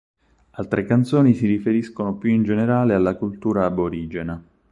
Altre canzoni si riferiscono più in generale alla cultura aborigena.